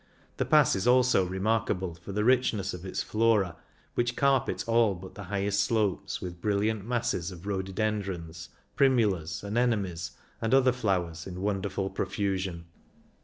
The Pass is also remarkable for the richness of its flora, which carpet all but the highest slopes with brilliant masses of rhododen drons, primulas, anemones, and other flow ers in wonderful profusion.